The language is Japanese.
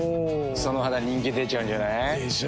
その肌人気出ちゃうんじゃない？でしょう。